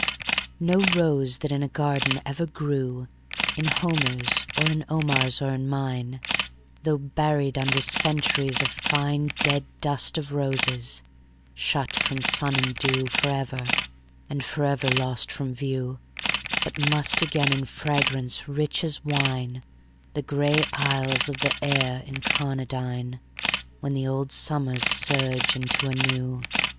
VI No rose that in a garden ever grew, In Homer's or in Omar's or in mine, Though buried under centuries of fine Dead dust of roses, shut from sun and dew Forever, and forever lost from view, But must again in fragrance rich as wine The grey aisles of the air incarnadine When the old summers surge into a new.